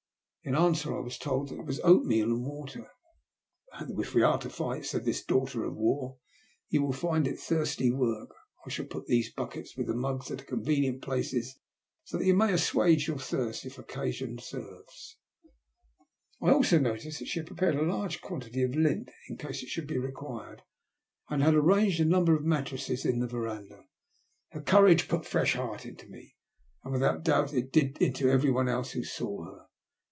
In answer I was told that it was oatmeal and water. " If we are to fight,*' said this daughter of war, ''you will find it thirsty work. I shall put these buckets, with mugs, at convenient places, so that you may assuage your thirst if occasion serves." I noticed also that she had prepared a large quan tity of lint in case it should be required, and had arranged a number of mattresses in the verandah. Her courage put fresh heart into me, as without doubt it did into everyone else who saw her.